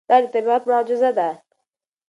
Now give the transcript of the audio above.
دا د طبیعت معجزه ده.